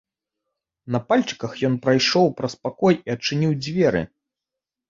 На пальчыках ён прайшоў праз пакой і адчыніў дзверы.